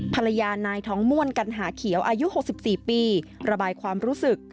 ภรรยานายท้องม่วนกันหาเขียวอายุ๖๔ปีระบายความรู้สึก